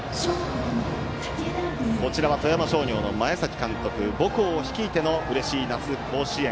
富山商業の前崎監督は母校を率いてのうれしい夏甲子園。